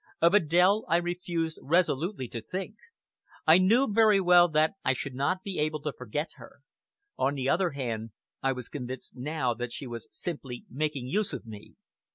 Of Adèle I refused resolutely to think. I knew very well that I should not be able to forget her. On the other hand, I was convinced now that she was simply making use of me.